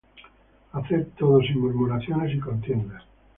Haced todo sin murmuraciones y contiendas,